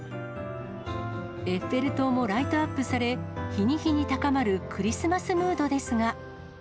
エッフェル塔もライトアップされ、日に日に高まるクリスマスムードですが。